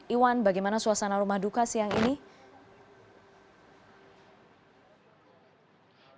iwan bagaimana suasana rumah duka siang ini